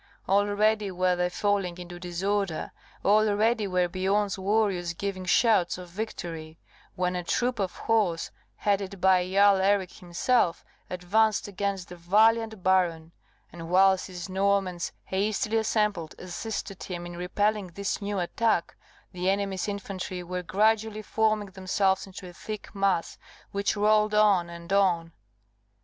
Already were they falling into disorder already were Biorn's warriors giving shouts of victory when a troop of horse, headed by Jarl Eric himself, advanced against the valiant baron; and whilst his Normans, hastily assembled, assisted him in repelling this new attack, the enemy's infantry were gradually forming themselves into a thick mass, which rolled on and on.